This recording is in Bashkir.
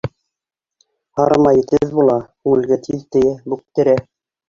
Һары май етеҙ була, күңелгә тиҙ тейә, бүктерә...